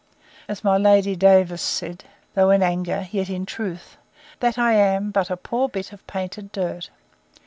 But I know, as my Lady Davers said, though in anger, yet in truth, that I am but a poor bit of painted dirt.